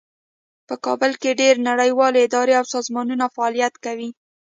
په کابل کې ډیرې نړیوالې ادارې او سازمانونه فعالیت کوي